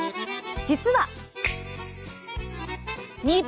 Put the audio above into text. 実は。